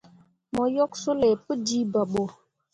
Mo yok sulay pu jiiba ɓo.